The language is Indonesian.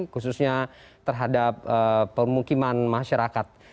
khususnya terhadap permukiman masyarakat